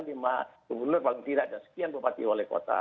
sebenarnya paling tidak ada sekian bupati oleh kota